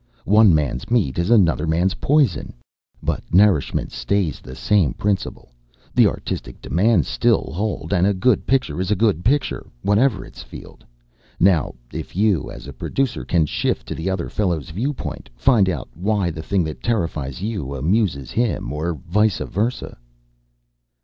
One man's meat is another's poison. "But nourishment stays the same in principle. The artistic demands still hold and a good picture is a picture, whatever its field. Now, if you, as a producer, can shift to the other fellow's viewpoint find out why the thing that terrifies you amuses him or vice versa."